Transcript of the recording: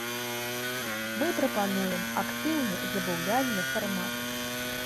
Мы прапануем актыўны забаўляльны фармат.